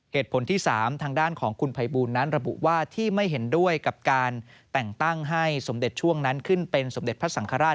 เหตุผลที่๓ทางด้านของคุณภัยบูลนั้นระบุว่าที่ไม่เห็นด้วยกับการแต่งตั้งให้สมเด็จช่วงนั้นขึ้นเป็นสมเด็จพระสังฆราช